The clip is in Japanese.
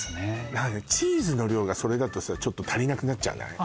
あのねチーズの量がそれだとちょっと足りなくなっちゃわない？